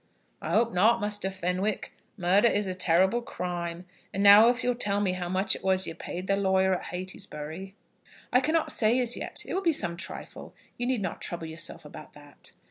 "I hope not, Muster Fenwick. Murder is a terrible crime. And now, if you'll tell me how much it was you paid the lawyer at Heytesbury " "I cannot say as yet. It will be some trifle. You need not trouble yourself about that."